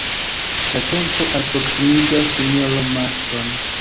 La tempo alproksimiĝas, sinjoro Marston.